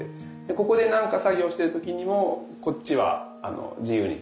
ここでなんか作業してる時にもこっちは自由に使えたりとか。